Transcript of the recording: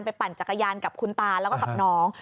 ปั่นจักรยานกับคุณตาแล้วก็กับน้อง